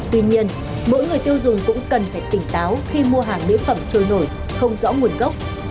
tuy nhiên mỗi người tiêu dùng cũng cần phải tỉnh táo khi mua hàng mỹ phẩm trôi nổi không rõ nguồn gốc